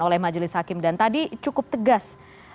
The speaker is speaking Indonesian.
oleh majelis hakim dan tadi cukup tegas